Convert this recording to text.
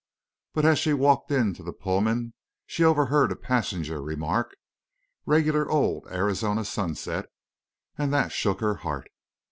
But as she walked into the Pullman she overheard a passenger remark, "Regular old Arizona sunset," and that shook her heart.